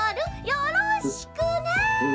よろしくね」。